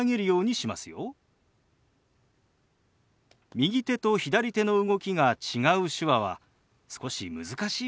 右手と左手の動きが違う手話は少し難しいかもしれませんね。